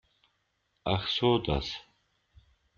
Ach so das.